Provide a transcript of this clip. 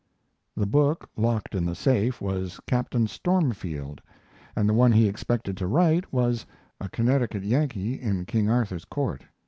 The book locked in the safe was Captain Stormfield, and the one he expected to write was A Connecticut Yankee in King Arthur's Court.